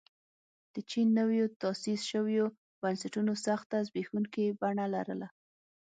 د چین نویو تاسیس شویو بنسټونو سخته زبېښونکې بڼه لرله.